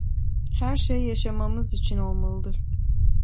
Her şey yaşamamız için olmalıdır.